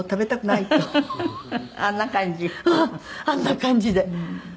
あんな感じで。